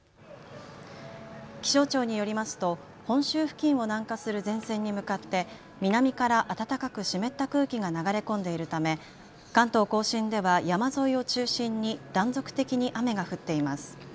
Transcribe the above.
気象庁によりますと本州付近を南下する前線に向かって南から暖かく湿った空気が流れ込んでいるため関東甲信では山沿いを中心に断続的に雨が降っています。